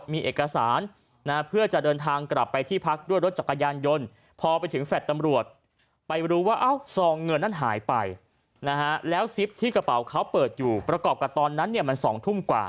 มีเอกสารเพื่อจะเดินทางกลับไปที่พักด้วยรถจักรยานยนต์